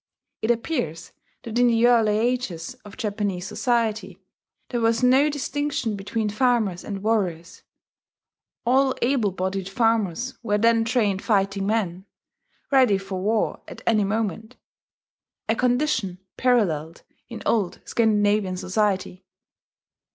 It appears that in the early ages of Japanese society there was no distinction between farmers and warriors: all able bodied farmers were then trained fighting men, ready for war at any moment, a condition paralleled in old Scandinavian society.